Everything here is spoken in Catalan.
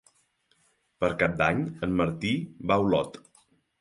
Per Cap d'Any en Martí va a Olot.